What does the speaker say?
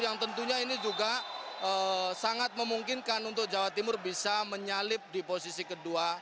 yang tentunya ini juga sangat memungkinkan untuk jawa timur bisa menyalip di posisi kedua